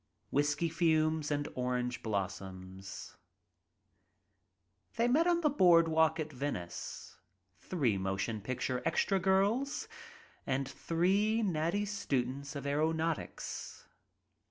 Whiskey Fumes I Orange Blossoms « HEY met on the broad walk at Venice — three motion picture "extra girls" and three natty students of aeronautics.